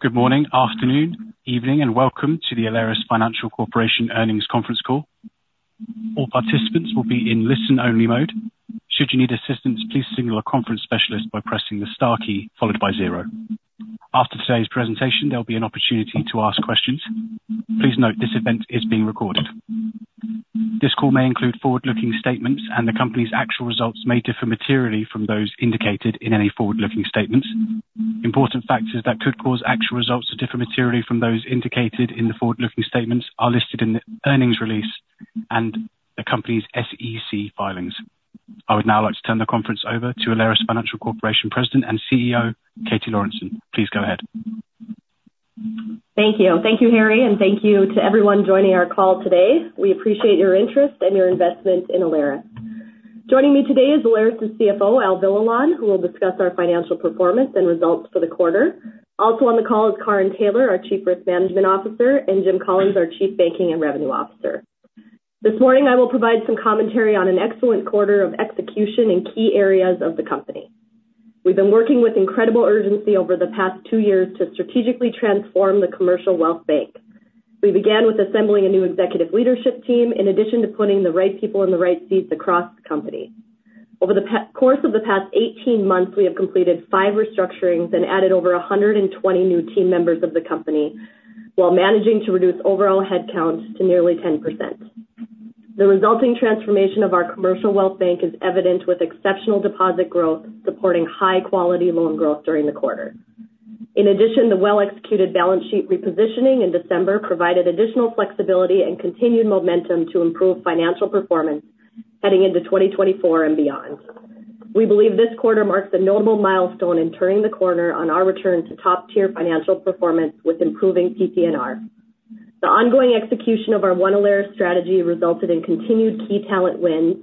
Good morning, afternoon, evening, and welcome to the Alerus Financial Corporation Earnings Conference Call. All participants will be in listen-only mode. Should you need assistance, please signal a conference specialist by pressing the star key followed by zero. After today's presentation, there'll be an opportunity to ask questions. Please note this event is being recorded. This call may include forward-looking statements and the company's actual results may differ materially from those indicated in any forward-looking statements. Important factors that could cause actual results to differ materially from those indicated in the forward-looking statements are listed in the earnings release and the company's SEC filings. I would now like to turn the conference over to Alerus Financial Corporation President and CEO, Katie Lorenson. Please go ahead. Thank you. Thank you, Harry, and thank you to everyone joining our call today. We appreciate your interest and your investment in Alerus. Joining me today is Alerus's CFO, Al Villalon, who will discuss our financial performance and results for the quarter. Also on the call is Karin Taylor, our Chief Risk Management Officer, and Jim Collins, our Chief Banking and Revenue Officer. This morning, I will provide some commentary on an excellent quarter of execution in key areas of the company. We've been working with incredible urgency over the past two years to strategically transform the Commercial Wealth Bank. We began with assembling a new executive leadership team, in addition to putting the right people in the right seats across the company. Over the course of the past 18 months, we have completed 5 restructurings and added over 120 new team members of the company, while managing to reduce overall headcounts to nearly 10%. The resulting transformation of our Commercial Wealth Bank is evident with exceptional deposit growth, supporting high-quality loan growth during the quarter. In addition, the well-executed balance sheet repositioning in December provided additional flexibility and continued momentum to improve financial performance heading into 2024 and beyond. We believe this quarter marks a notable milestone in turning the corner on our return to top-tier financial performance with improving PPNR. The ongoing execution of our One Alerus strategy resulted in continued key talent wins,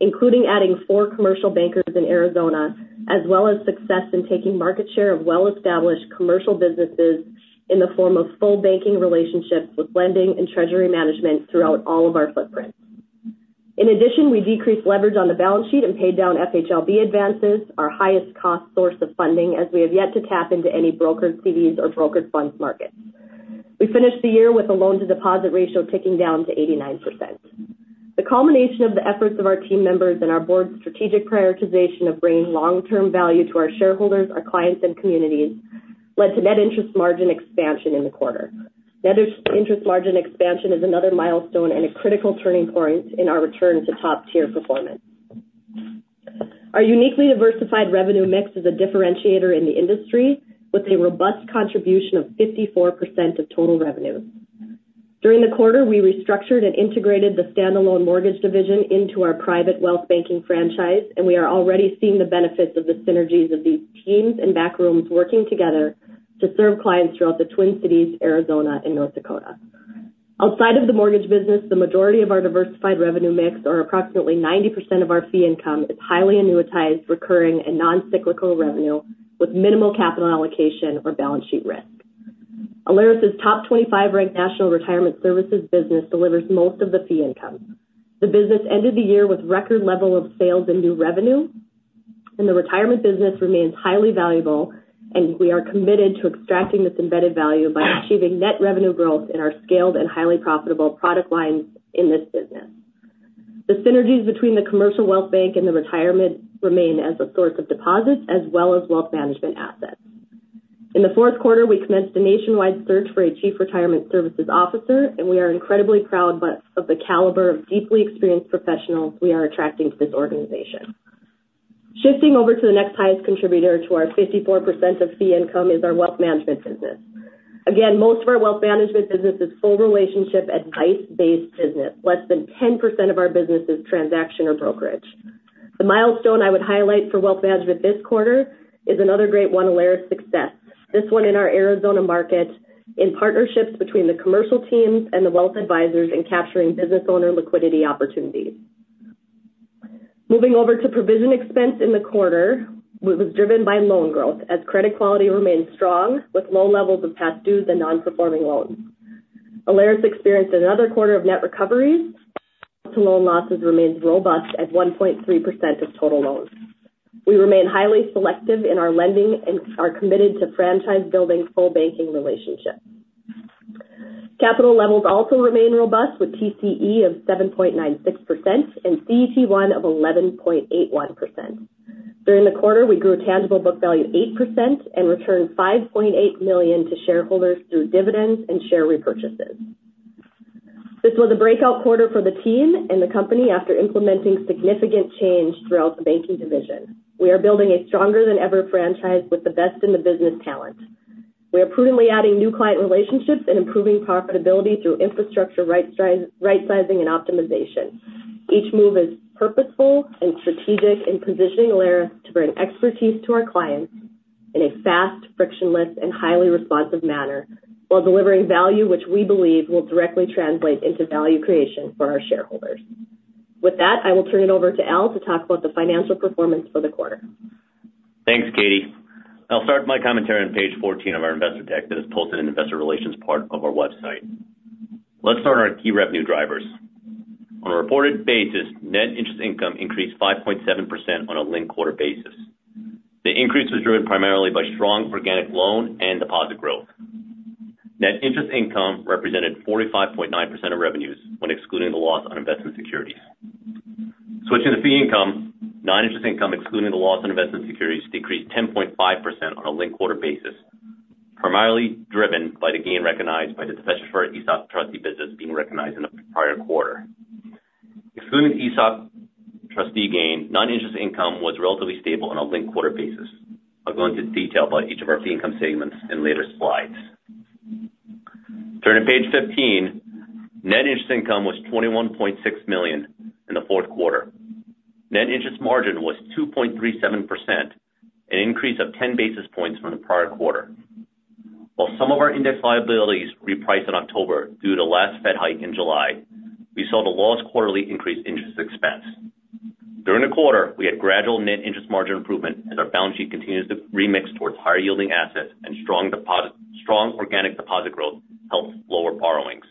including adding four commercial bankers in Arizona, as well as success in taking market share of well-established commercial businesses in the form of full banking relationships with lending and treasury management throughout all of our footprints. In addition, we decreased leverage on the balance sheet and paid down FHLB advances, our highest cost source of funding, as we have yet to tap into any brokered CDs or brokered funds markets. We finished the year with a loan-to-deposit ratio ticking down to 89%. The culmination of the efforts of our team members and our board's strategic prioritization of bringing long-term value to our shareholders, our clients and communities, led to net interest margin expansion in the quarter. Net interest margin expansion is another milestone and a critical turning point in our return to top-tier performance. Our uniquely diversified revenue mix is a differentiator in the industry, with a robust contribution of 54% of total revenue. During the quarter, we restructured and integrated the standalone mortgage division into our private wealth banking franchise, and we are already seeing the benefits of the synergies of these teams and back rooms working together to serve clients throughout the Twin Cities, Arizona and North Dakota. Outside of the mortgage business, the majority of our diversified revenue mix, or approximately 90% of our fee income, is highly annuitized, recurring and non-cyclical revenue, with minimal capital allocation or balance sheet risk. Alerus's top 25 ranked national retirement services business delivers most of the fee income. The business ended the year with record level of sales and new revenue, and the retirement business remains highly valuable, and we are committed to extracting this embedded value by achieving net revenue growth in our scaled and highly profitable product lines in this business. The synergies between the Commercial Wealth Bank and the retirement remain as a source of deposits as well as wealth management assets. In the fourth quarter, we commenced a nationwide search for a Chief Retirement Services Officer, and we are incredibly proud of the caliber of deeply experienced professionals we are attracting to this organization. Shifting over to the next highest contributor to our 54% of fee income is our wealth management business. Again, most of our wealth management business is full relationship, advice-based business. Less than 10% of our business is transaction or brokerage. The milestone I would highlight for wealth management this quarter is another great One Alerus success, this one in our Arizona market, in partnerships between the commercial teams and the wealth advisors in capturing business owner liquidity opportunities. Moving over to provision expense in the quarter was driven by loan growth, as credit quality remains strong, with low levels of past dues and non-performing loans. Alerus experienced another quarter of net recoveries to loan losses remains robust at 1.3% of total loans. We remain highly selective in our lending and are committed to franchise-building full banking relationships. Capital levels also remain robust, with TCE of 7.96% and CET1 of 11.81%. During the quarter, we grew tangible book value 8% and returned $5.8 million to shareholders through dividends and share repurchases. This was a breakout quarter for the team and the company after implementing significant change throughout the banking division. We are building a stronger-than-ever franchise with the best in the business talent. We are prudently adding new client relationships and improving profitability through infrastructure rightsizing and optimization. Each move is purposeful and strategic in positioning Alerus to bring expertise to our clients in a fast, frictionless, and highly responsive manner, while delivering value which we believe will directly translate into value creation for our shareholders. With that, I will turn it over to Al to talk about the financial performance for the quarter. Thanks, Katie. I'll start my commentary on page 14 of our investor deck that is posted in the Investor Relations part of our website... Let's start on our key revenue drivers. On a reported basis, net interest income increased 5.7% on a linked quarter basis. The increase was driven primarily by strong organic loan and deposit growth. Net interest income represented 45.9% of revenues when excluding the loss on investment securities. Switching to fee income, non-interest income, excluding the loss on investment securities, decreased 10.5% on a linked quarter basis, primarily driven by the gain recognized by the specialized ESOP trustee business being recognized in the prior quarter. Excluding the ESOP trustee gain, non-interest income was relatively stable on a linked quarter basis. I'll go into detail about each of our fee income statements in later slides. Turning to page 15, net interest income was $21.6 million in the fourth quarter. Net interest margin was 2.37%, an increase of 10 basis points from the prior quarter. While some of our index liabilities repriced in October due to the last Fed hike in July, we saw the lowest quarterly increase in interest expense. During the quarter, we had gradual net interest margin improvement as our balance sheet continues to remix towards higher-yielding assets and strong deposit - strong organic deposit growth helps lower borrowings.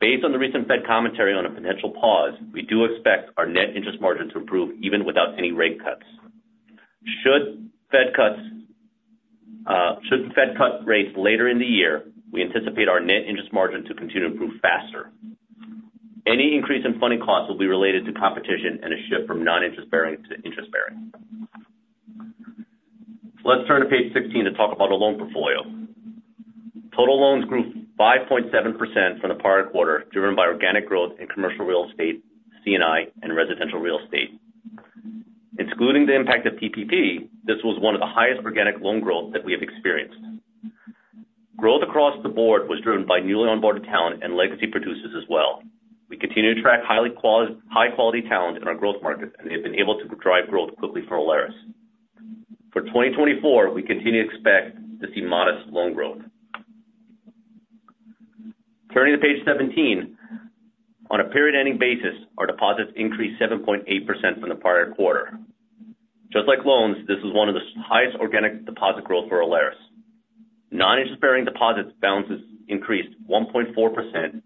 Based on the recent Fed commentary on a potential pause, we do expect our net interest margin to improve even without any rate cuts. Should Fed cuts, should the Fed cut rates later in the year, we anticipate our net interest margin to continue to improve faster. Any increase in funding costs will be related to competition and a shift from non-interest bearing to interest bearing. Let's turn to page 16 to talk about our loan portfolio. Total loans grew 5.7% from the prior quarter, driven by organic growth in commercial real estate, C&I, and residential real estate. Excluding the impact of PPP, this was one of the highest organic loan growth that we have experienced. Growth across the board was driven by newly onboarded talent and legacy producers as well. We continue to attract high-quality talent in our growth markets, and they've been able to drive growth quickly for Alerus. For 2024, we continue to expect to see modest loan growth. Turning to page 17. On a period-ending basis, our deposits increased 7.8% from the prior quarter. Just like loans, this is one of the highest organic deposit growth for Alerus. Non-interest-bearing deposits balances increased 1.4%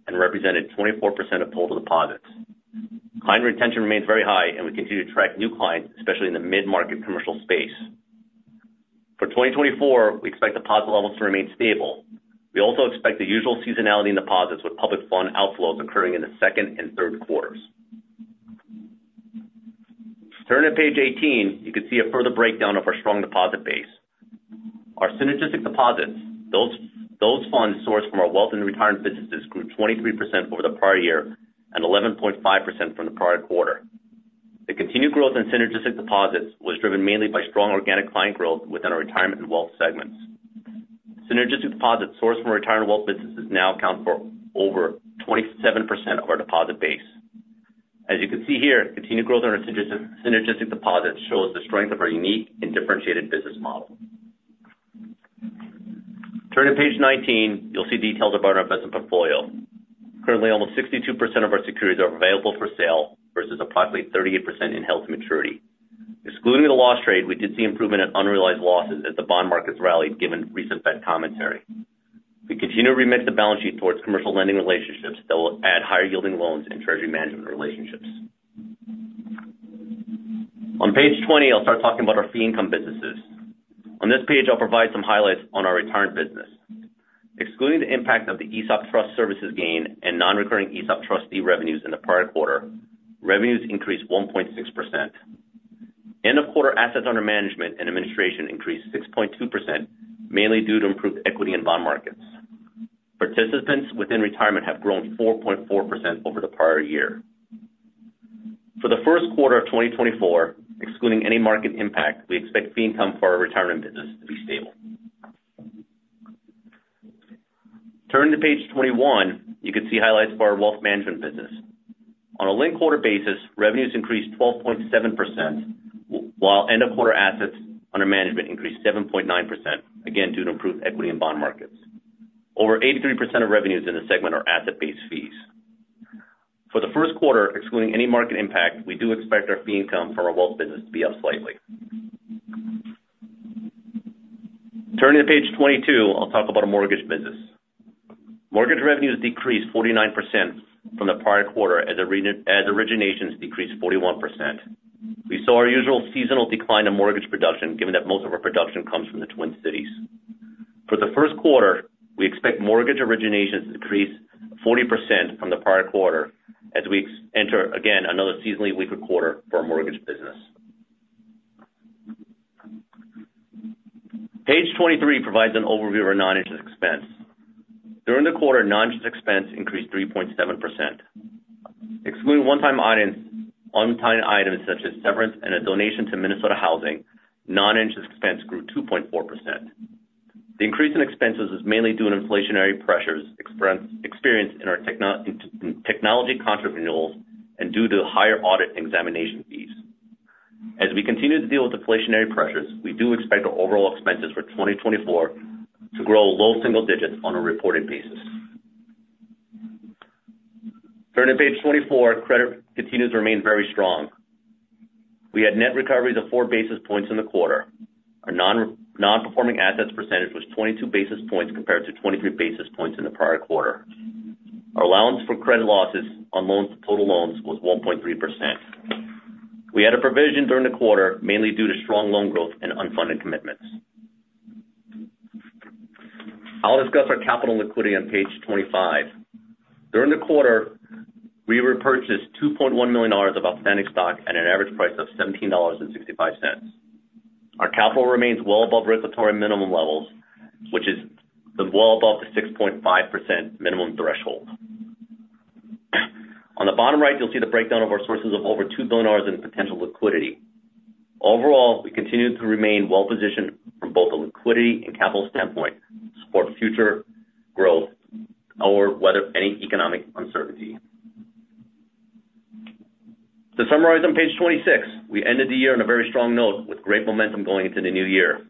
and represented 24% of total deposits. Client retention remains very high, and we continue to attract new clients, especially in the mid-market commercial space. For 2024, we expect deposit levels to remain stable. We also expect the usual seasonality in deposits, with public fund outflows occurring in the second and third quarters. Turning to page 18, you can see a further breakdown of our strong deposit base. Our synergistic deposits, those funds sourced from our wealth and retirement businesses, grew 23% over the prior year and 11.5% from the prior quarter. The continued growth in synergistic deposits was driven mainly by strong organic client growth within our retirement and wealth segments. Synergistic deposits sourced from retirement wealth businesses now account for over 27% of our deposit base. As you can see here, continued growth in our synergistic deposits shows the strength of our unique and differentiated business model. Turning to page 19, you'll see details about our investment portfolio. Currently, almost 62% of our securities are available for sale versus approximately 38% in held to maturity. Excluding the loss trade, we did see improvement in unrealized losses as the bond markets rallied, given recent Fed commentary. We continue to remix the balance sheet towards commercial lending relationships that will add higher-yielding loans and treasury management relationships. On page 20, I'll start talking about our fee income businesses. On this page, I'll provide some highlights on our retirement business. Excluding the impact of the ESOP trust services gain and non-recurring ESOP trustee revenues in the prior quarter, revenues increased 1.6%. End of quarter assets under management and administration increased 6.2%, mainly due to improved equity and bond markets. Participants within retirement have grown 4.4% over the prior year. For the first quarter of 2024, excluding any market impact, we expect fee income for our retirement business to be stable. Turning to page 21, you can see highlights of our wealth management business. On a linked quarter basis, revenues increased 12.7%, while end of quarter assets under management increased 7.9%, again, due to improved equity and bond markets. Over 83% of revenues in this segment are asset-based fees. For the first quarter, excluding any market impact, we do expect our fee income from our wealth business to be up slightly. Turning to page 22, I'll talk about our mortgage business. Mortgage revenues decreased 49% from the prior quarter as originations decreased 41%. We saw our usual seasonal decline in mortgage production, given that most of our production comes from the Twin Cities. For the first quarter, we expect mortgage originations to decrease 40% from the prior quarter as we enter, again, another seasonally weaker quarter for our mortgage business. Page 23 provides an overview of our non-interest expense. During the quarter, non-interest expense increased 3.7%. Excluding one-time items such as severance and a donation to Minnesota Housing, non-interest expense grew 2.4%. The increase in expenses is mainly due to inflationary pressures experienced in our technology contract renewals and due to higher audit and examination fees. As we continue to deal with inflationary pressures, we do expect our overall expenses for 2024 to grow low single digits on a reported basis. Turning to page 24, credit continues to remain very strong. We had net recoveries of 4 basis points in the quarter. Our non-performing assets percentage was 22 basis points compared to 23 basis points in the prior quarter. Our allowance for credit losses on loans to total loans was 1.3%. We had a provision during the quarter, mainly due to strong loan growth and unfunded commitments. I'll discuss our capital liquidity on page 25. During the quarter, we repurchased $2.1 million of outstanding stock at an average price of $17.65. Our capital remains well above regulatory minimum levels, which is well above the 6.5% minimum threshold. On the bottom right, you'll see the breakdown of our sources of over $2 billion in potential liquidity. Overall, we continue to remain well positioned from both a liquidity and capital standpoint to support future growth or whether any economic uncertainty. To summarize, on page 26, we ended the year on a very strong note with great momentum going into the new year.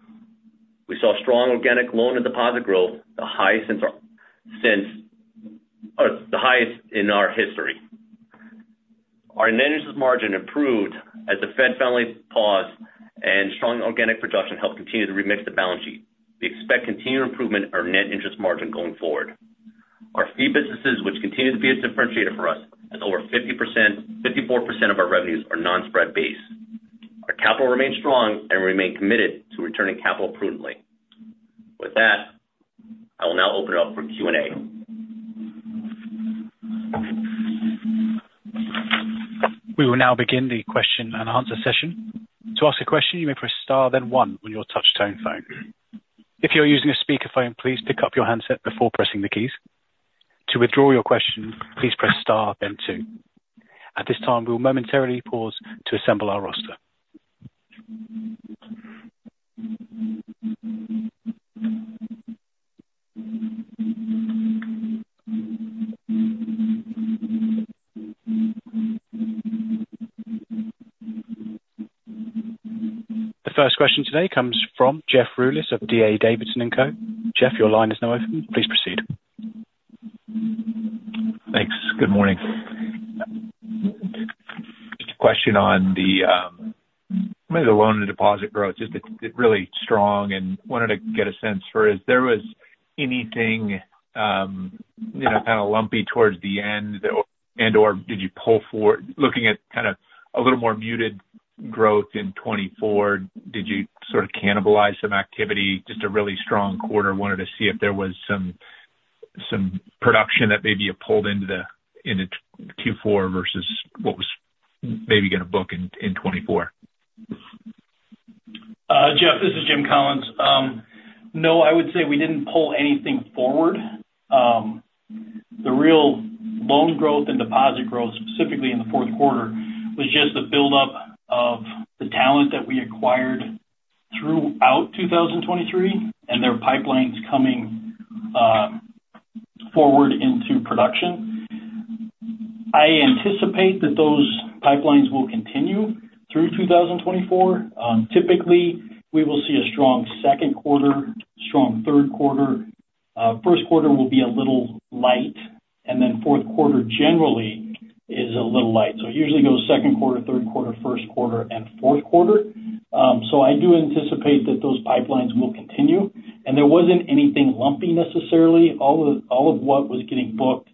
We saw strong organic loan and deposit growth, the highest since the highest in our history. Our net interest margin improved as the Fed finally paused, and strong organic production helped continue to remix the balance sheet. We expect continued improvement in our net interest margin going forward. Our fee businesses, which continue to be a differentiator for us, and over 50%—54% of our revenues are non-spread based. Our capital remains strong, and we remain committed to returning capital prudently. With that, I will now open it up for Q&A. We will now begin the question and answer session. To ask a question, you may press star, then one on your touch-tone phone. If you're using a speakerphone, please pick up your handset before pressing the keys. To withdraw your question, please press star, then two. At this time, we will momentarily pause to assemble our roster. The first question today comes from Jeff Rulis of D.A. Davidson & Co. Jeff, your line is now open. Please proceed. Thanks. Good morning. Just a question on the maybe the loan and deposit growth, just it really strong and wanted to get a sense for if there was anything, you know, kind of lumpy towards the end and/or did you pull forward... Looking at kind of a little more muted growth in 2024, did you sort of cannibalize some activity? Just a really strong quarter. Wanted to see if there was some production that maybe you pulled into the into Q4 versus what was maybe going to book in in 2024. Jeff, this is Jim Collins. No, I would say we didn't pull anything forward. The real loan growth and deposit growth, specifically in the fourth quarter, was just the buildup of the talent that we acquired throughout 2023, and their pipelines coming forward into production. I anticipate that those pipelines will continue through 2024. Typically, we will see a strong second quarter, strong third quarter. First quarter will be a little light, and then fourth quarter generally is a little light. So it usually goes second quarter, third quarter, first quarter, and fourth quarter. So I do anticipate that those pipelines will continue, and there wasn't anything lumpy necessarily. All of what was getting booked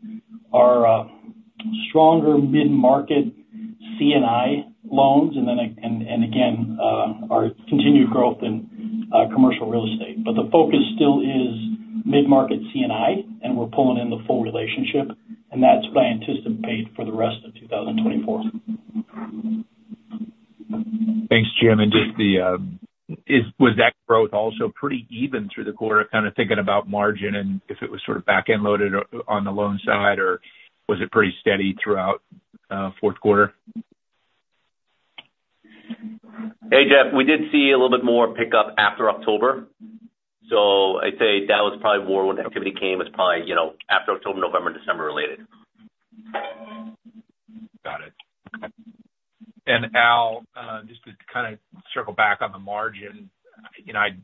are stronger mid-market C&I loans and then again our continued growth in commercial real estate. But the focus still is mid-market C&I, and we're pulling in the full relationship, and that's what I anticipate for the rest of 2024. Thanks, Jim. And just, was that growth also pretty even through the quarter? Kind of thinking about margin and if it was sort of back-end loaded on the loan side, or was it pretty steady throughout fourth quarter? Hey, Jeff, we did see a little bit more pickup after October, so I'd say that was probably more when the activity came, you know, after October, November, December related. Got it. Al, just to kind of circle back on the margin, you know, I'm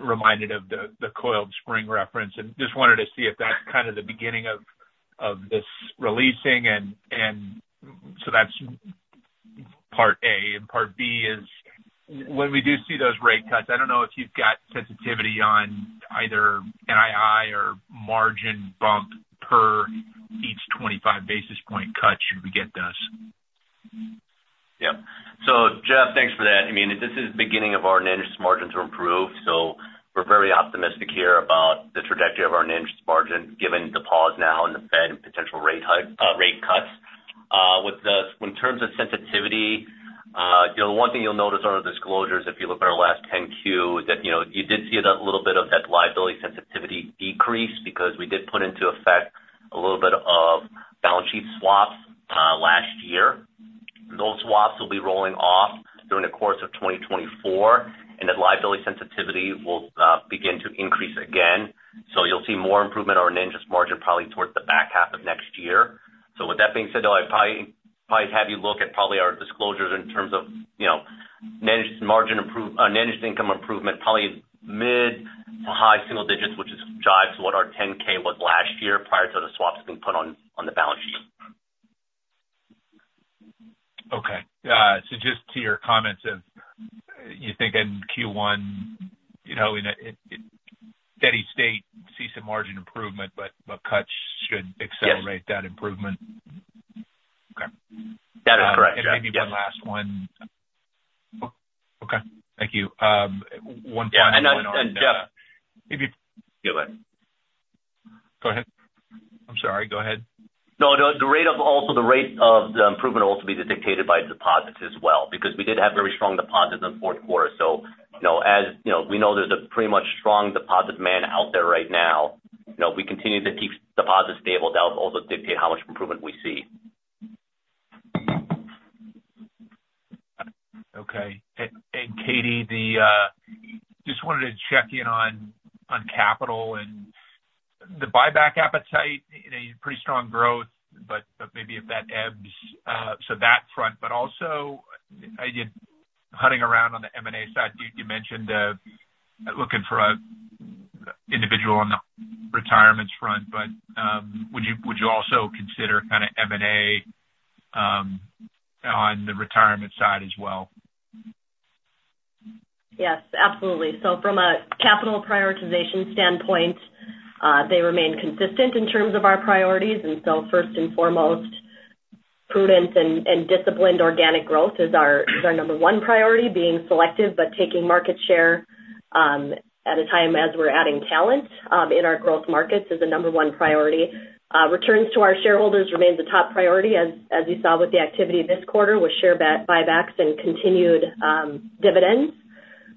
reminded of the coiled spring reference, and just wanted to see if that's kind of the beginning of this releasing. So that's part A. Part B is when we do see those rate cuts, I don't know if you've got sensitivity on either NII or margin bump per each 25 basis point cut, should we get this? Yep. So Jeff, thanks for that. I mean, this is the beginning of our net interest margin to improve, so we're very optimistic here about the trajectory of our net interest margin, given the pause now in the Fed and potential rate cuts. With in terms of sensitivity, you know, one thing you'll notice on our disclosures, if you look at our last 10-Q, that, you know, you did see a little bit of that liability sensitivity decrease because we did put into effect a little bit of balance sheet swaps last year. Those swaps will be rolling off during the course of 2024, and the liability sensitivity will begin to increase again. So you'll see more improvement on our net interest margin, probably towards the back half of next year. So with that being said, though, I'd probably, probably have you look at probably our disclosures in terms of, you know, net interest margin improvement, net interest income improvement, probably mid- to high single digits, which jives with what our 10-K was last year, prior to the swaps being put on the balance sheet. Okay. So just to your comments of, you think in Q1, you know, in a steady state, see some margin improvement, but cuts should accelerate- Yes. -that improvement? Okay. That is correct. And maybe one last one. Okay. Thank you. One final one on, Yeah, and Jeff. Maybe. Go ahead. Go ahead. I'm sorry. Go ahead. No, no, the rate of the improvement will also be dictated by deposits as well, because we did have very strong deposits in the fourth quarter. So you know, as you know, we know there's a pretty much strong deposit demand out there right now. You know, we continue to keep deposits stable. That will also dictate how much improvement we see. Okay. And Katie, just wanted to check in on capital and the buyback appetite in a pretty strong growth, but maybe if that ebbs, so that front, but also I did hunting around on the M&A side, you mentioned looking for a individual on the retirements front, but would you also consider kind of M&A on the retirement side as well? Yes, absolutely. So from a capital prioritization standpoint, they remain consistent in terms of our priorities. And so first and foremost, prudent and disciplined organic growth is our number one priority. Being selective, but taking market share, in a time as we're adding talent, in our growth markets is the number one priority. Returns to our shareholders remains a top priority, as you saw with the activity this quarter with share buybacks and continued dividends.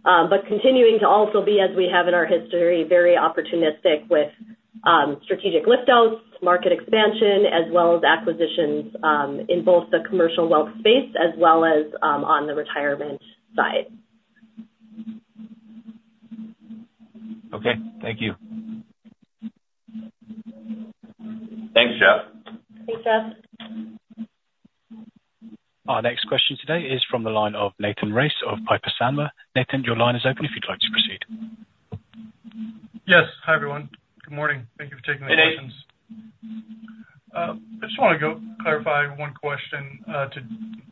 But continuing to also be, as we have in our history, very opportunistic with strategic lift outs, market expansion, as well as acquisitions, in both the commercial wealth space as well as on the retirement side. Okay, thank you. Thanks, Jeff. Thanks, Jeff. Our next question today is from the line of Nathan Race of Piper Sandler. Nathan, your line is open if you'd like to proceed. Yes. Hi, everyone. Good morning. Thank you for taking the questions. Hey, Nate. I just want to go clarify one question, to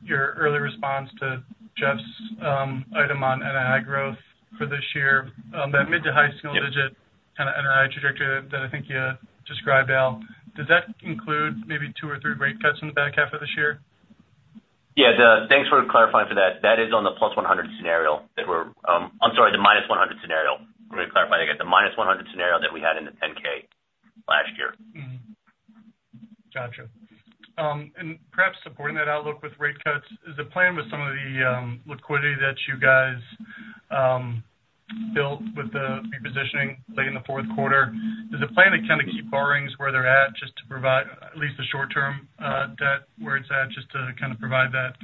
your earlier response to Jeff's item on NII growth for this year. That mid to high single digit- Yep. kind of NII trajectory that I think you described, Al. Does that include maybe two or three rate cuts in the back half of this year? Yeah, thanks for clarifying for that. That is on the plus 100 scenario that we're, I'm sorry, the minus 100 scenario. Let me clarify that again. The minus 100 scenario that we had in the 10-K last year. Mm-hmm. Gotcha. And perhaps supporting that outlook with rate cuts, is the plan with some of the liquidity that you guys built with the repositioning late in the fourth quarter, is the plan to kind of keep borrowings where they're at, just to provide at least the short term debt where it's at, just to kind of provide that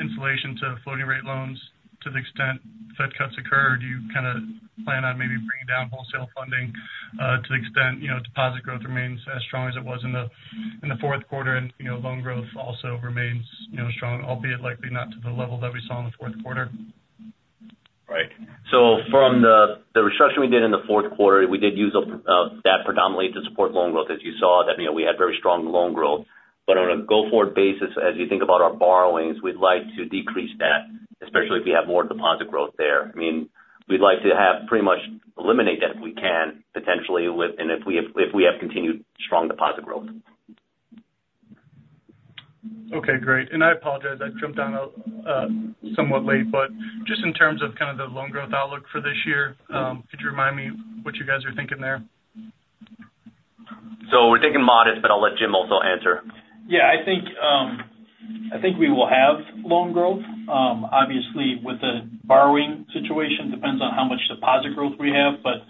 insulation to floating rate loans to the extent Fed cuts occur? Do you kind of plan on maybe bringing down wholesale funding to the extent, you know, deposit growth remains as strong as it was in the fourth quarter, and, you know, loan growth also remains, you know, strong, albeit likely not to the level that we saw in the fourth quarter? Right. So from the restructuring we did in the fourth quarter, we did use up that predominantly to support loan growth, as you saw that, you know, we had very strong loan growth. But on a go-forward basis, as you think about our borrowings, we'd like to decrease that, especially if we have more deposit growth there. I mean, we'd like to pretty much eliminate that if we can, potentially with and if we have continued strong deposit growth. Okay, great. I apologize, I jumped on somewhat late, but just in terms of kind of the loan growth outlook for this year, could you remind me what you guys are thinking there? We're thinking modest, but I'll let Jim also answer. Yeah, I think, I think we will have loan growth. Obviously, with the borrowing situation, depends on how much deposit growth we have. But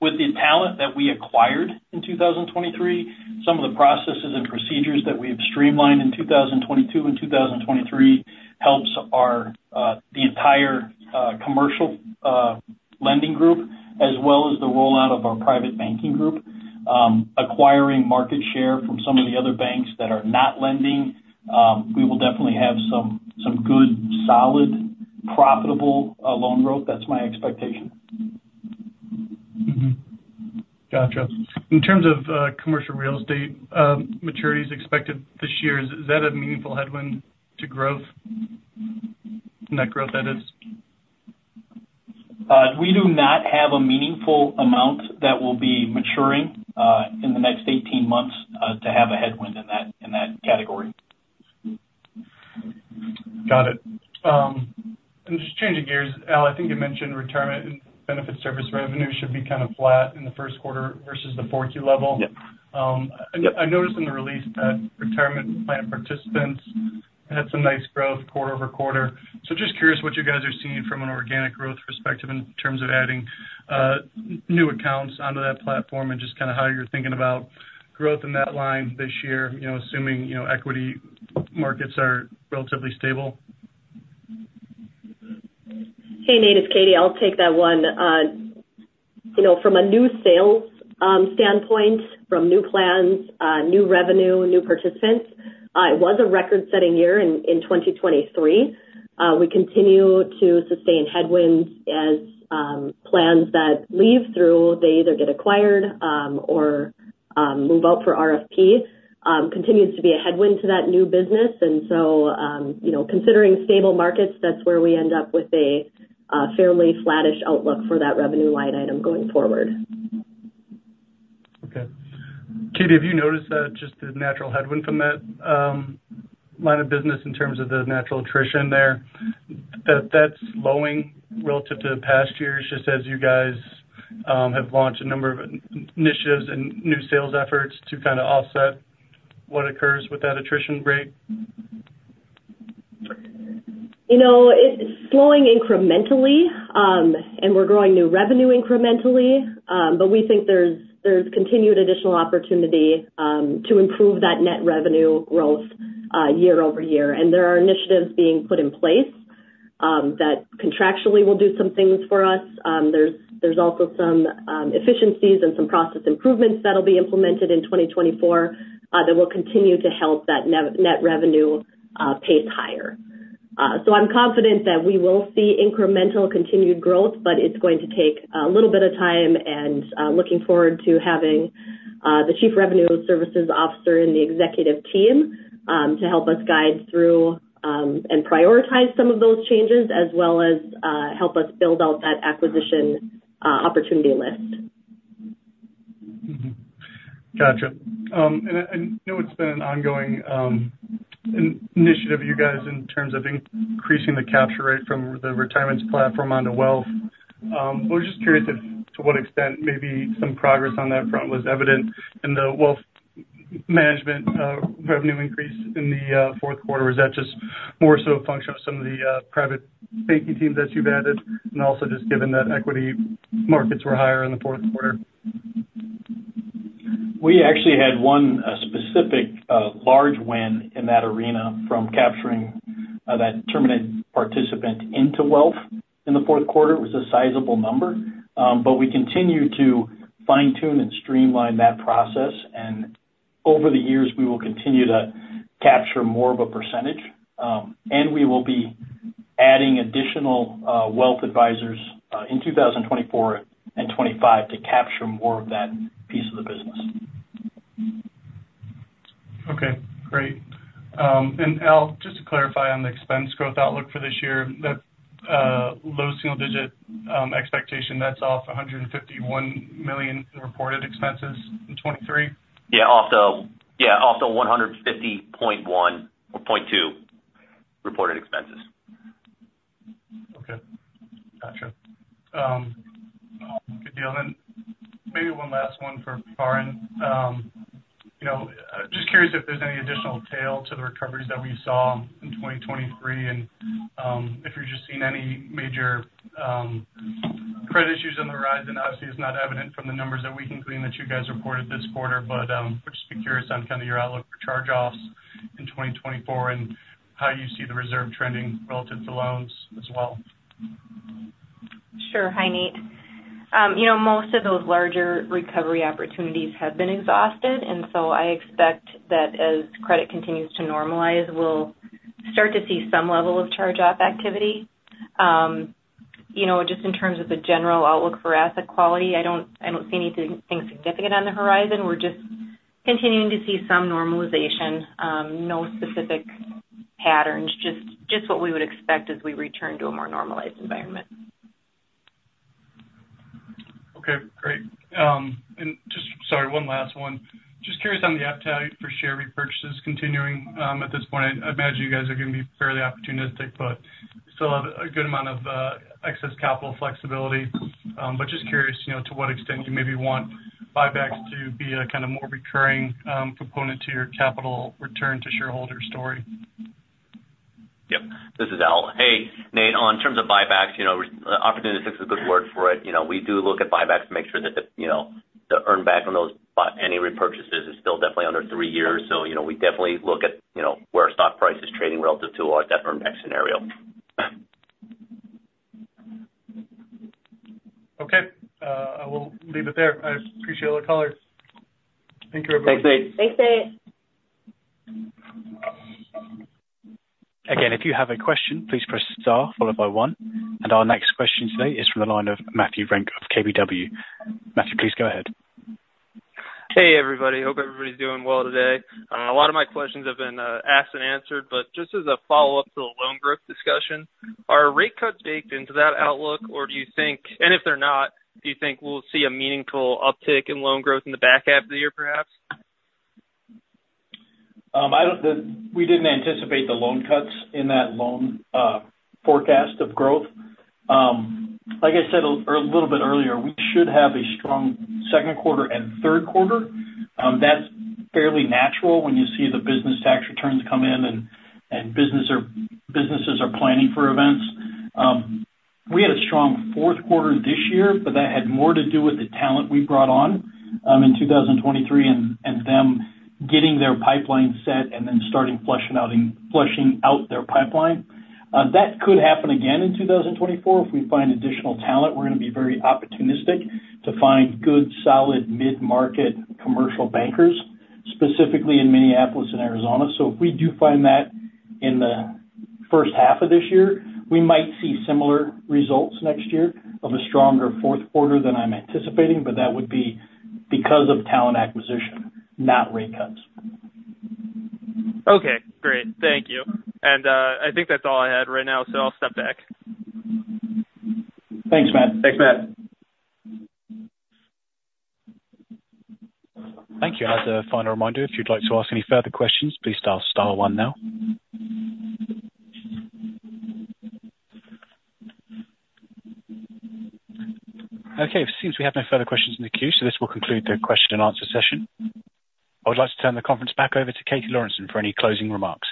with the talent that we acquired in 2023, some of the processes and procedures that we have streamlined in 2022 and 2023 helps our, the entire, commercial, lending group, as well as the rollout of our private banking group. Acquiring market share from some of the other banks that are not lending, we will definitely have some, some good, solid, profitable, loan growth. That's my expectation. Mm-hmm. Gotcha. In terms of commercial real estate maturities expected this year, is that a meaningful headwind to growth? Net growth, that is. We do not have a meaningful amount that will be maturing in the next 18 months to have a headwind in that, in that category. Got it. And just changing gears, Al, I think you mentioned retirement and benefit service revenue should be kind of flat in the first quarter versus the 4Q level. Yep. I noticed- Yep. in the release that retirement plan participants had some nice growth quarter over quarter. So just curious what you guys are seeing from an organic growth perspective in terms of adding new accounts onto that platform and just kind of how you're thinking about growth in that line this year, you know, assuming, you know, equity markets are relatively stable? Hey, Nate, it's Katie. I'll take that one. You know, from a new sales standpoint, from new plans, new revenue, new participants. It was a record-setting year in 2023. We continue to sustain headwinds as plans that leave through, they either get acquired, or move out for RFP, continues to be a headwind to that new business. And so, you know, considering stable markets, that's where we end up with a fairly flattish outlook for that revenue line item going forward. Okay. Katie, have you noticed that just the natural headwind from that line of business in terms of the natural attrition there, that's slowing relative to the past years, just as you guys have launched a number of initiatives and new sales efforts to kind of offset what occurs with that attrition rate? You know, it's slowing incrementally, and we're growing new revenue incrementally. But we think there's continued additional opportunity to improve that net revenue growth, year-over-year. And there are initiatives being put in place that contractually will do some things for us. There's also some efficiencies and some process improvements that'll be implemented in 2024 that will continue to help that net revenue pace higher. So I'm confident that we will see incremental continued growth, but it's going to take a little bit of time. And looking forward to having the Chief Revenue Services Officer and the executive team to help us guide through and prioritize some of those changes, as well as help us build out that acquisition opportunity list. Mm-hmm. Gotcha. And I know it's been an ongoing initiative, you guys, in terms of increasing the capture rate from the retirements platform onto wealth. We're just curious as to what extent maybe some progress on that front was evident in the wealth management revenue increase in the fourth quarter? Or is that just more so a function of some of the private banking teams that you've added, and also just given that equity markets were higher in the fourth quarter? We actually had one specific large win in that arena from capturing that terminate participant into wealth in the fourth quarter. It was a sizable number. But we continue to fine-tune and streamline that process, and over the years, we will continue to capture more of a percentage. And we will be adding additional wealth advisors in 2024 and 2025 to capture more of that piece of the business. Okay, great. And Al, just to clarify on the expense growth outlook for this year, that low single digit expectation, that's off $151 million in reported expenses in 2023? Yeah, off the $150.1 or $150.2 reported expenses. Okay. Gotcha. Good deal. And maybe one last one for Karin. You know, just curious if there's any additional tail to the recoveries that we saw in 2023, and if you're just seeing any major credit issues on the horizon. Obviously, it's not evident from the numbers that we can glean that you guys reported this quarter, but we're just curious on kind of your outlook for charge-offs in 2024 and how you see the reserve trending relative to loans as well. Sure. Hi, Nate. You know, most of those larger recovery opportunities have been exhausted, and so I expect that as credit continues to normalize, we'll start to see some level of charge-off activity. You know, just in terms of the general outlook for asset quality, I don't see anything significant on the horizon. We're just continuing to see some normalization. No specific patterns, just what we would expect as we return to a more normalized environment. Okay, great. Sorry, one last one. Just curious on the appetite for share repurchases continuing, at this point. I imagine you guys are going to be fairly opportunistic, but still have a good amount of, excess capital flexibility. But just curious, you know, to what extent you maybe want buybacks to be a kind of more recurring, component to your capital return to shareholder story. Yep, this is Al. Hey, Nate, in terms of buybacks, you know, opportunistic is a good word for it. You know, we do look at buybacks to make sure that the, you know, the earn back on those any repurchases is still definitely under three years. So, you know, we definitely look at, you know, where our stock price is trading relative to our deferment scenario. Okay, I will leave it there. I appreciate all the callers. Thank you, everybody. Thanks, Nate. Thanks, Nate. Again, if you have a question, please press Star followed by one. And our next question today is from the line of Matthew Renck of KBW. Matthew, please go ahead. Hey, everybody. Hope everybody's doing well today. A lot of my questions have been asked and answered, but just as a follow-up to the loan growth discussion, are rate cuts baked into that outlook, or do you think, and if they're not, do you think we'll see a meaningful uptick in loan growth in the back half of the year, perhaps? I don't the we didn't anticipate the loan cuts in that loan forecast of growth. Like I said, a little bit earlier, we should have a strong second quarter and third quarter. That's fairly natural when you see the business tax returns come in and businesses are planning for events. We had a strong fourth quarter this year, but that had more to do with the talent we brought on in 2023, and them getting their pipeline set and then starting flushing out and flushing out their pipeline. That could happen again in 2024. If we find additional talent, we're going to be very opportunistic to find good, solid mid-market commercial bankers, specifically in Minneapolis and Arizona. So if we do find that in the first half of this year, we might see similar results next year of a stronger fourth quarter than I'm anticipating, but that would be because of talent acquisition, not rate cuts. Okay, great. Thank you. I think that's all I had right now, so I'll step back. Thanks, Matt. Thanks, Matt. Thank you. As a final reminder, if you'd like to ask any further questions, please dial star one now. Okay, it seems we have no further questions in the queue, so this will conclude the question and answer session. I would like to turn the conference back over to Katie Lorenson for any closing remarks.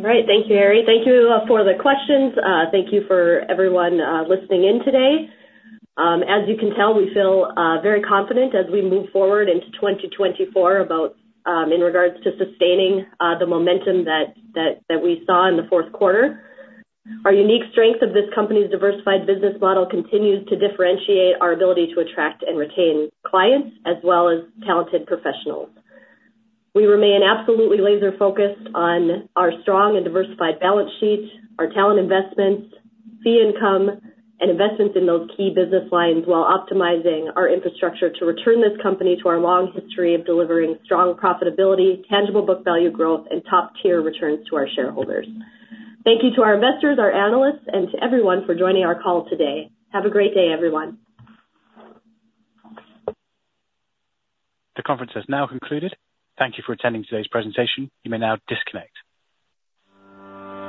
Great. Thank you, Harry. Thank you for the questions. Thank you for everyone listening in today. As you can tell, we feel very confident as we move forward into 2024 about in regards to sustaining the momentum that we saw in the fourth quarter. Our unique strength of this company's diversified business model continues to differentiate our ability to attract and retain clients, as well as talented professionals. We remain absolutely laser focused on our strong and diversified balance sheet, our talent investments, fee income, and investments in those key business lines while optimizing our infrastructure to return this company to our long history of delivering strong profitability, tangible book value growth, and top-tier returns to our shareholders. Thank you to our investors, our analysts, and to everyone for joining our call today. Have a great day, everyone. The conference has now concluded. Thank you for attending today's presentation. You may now disconnect.